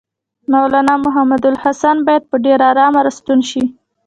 مولنا محمودالحسن باید په ډېره آرامه راستون شي.